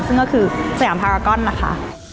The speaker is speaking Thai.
ซึ่งก็คือสยามพากากอนนะคะ